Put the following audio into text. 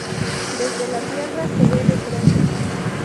Desde la Tierra se ve de frente.